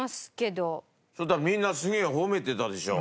そしたらみんなすげえ褒めてたでしょ？